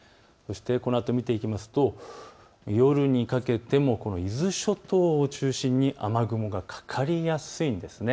このあと見ていきますと夜にかけても伊豆諸島を中心に雨雲がかかりやすいんです。